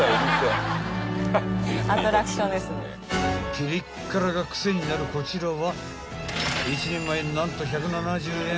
［ピリ辛が癖になるこちらは］